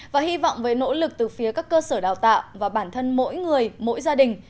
và hy vọng với nỗ lực từ phía các cơ sở đào tạo và bản thân mỗi người mỗi gia đình